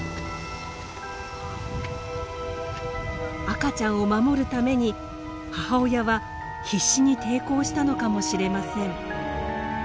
赤ちゃんを守るために母親は必死に抵抗したのかもしれません。